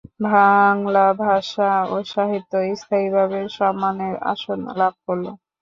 বাংলা ভাষা ও সাহিত্য স্থায়ীভাবে সম্মানের আসন লাভ করল।